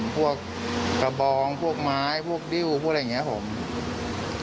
พวกกระบองพวกไม้พวกดิ้วพวกอะไรอย่างนี้ผม